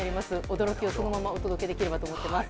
驚きをそのままお届けできればと思ってます。